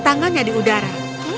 tangannya di udara